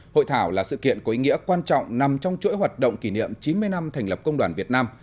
hội thảo là sự kiện có ý nghĩa quan trọng nằm trong chuỗi hoạt động kỷ niệm chín mươi năm thành lập công đoàn việt nam